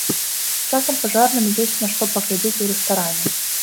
Часам пажарным ёсць на што паглядзець у рэстаране!